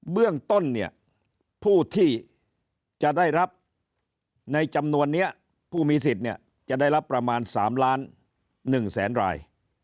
เบื้องต้นเนี่ยผู้ที่จะได้รับในจำนวนนี้ผู้มีสิทธิ์เนี่ยจะได้รับประมาณ๓ล้าน๑แสนราย